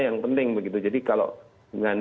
yang penting begitu jadi kalau dengan